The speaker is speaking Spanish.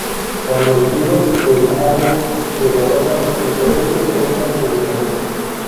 Cuando los griegos del Argo le derrotan, el poder de Creta se desvanece.